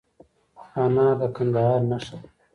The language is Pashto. انار د کندهار نښه ده.